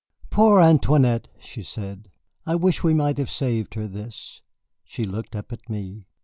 "Poor Antoinette!" she said, "I wish we might have saved her this." She looked up at me.